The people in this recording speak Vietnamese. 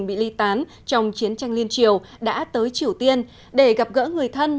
các gia đình bị ly tán trong chiến tranh liên triều đã tới triều tiên để gặp gỡ người thân